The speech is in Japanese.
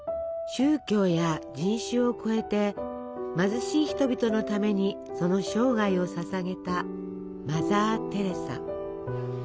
宗教や人種を超えて貧しい人々のためにその生涯をささげたマザー・テレサ。